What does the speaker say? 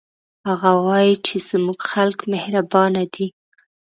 هغه وایي چې زموږ خلک مهربانه دي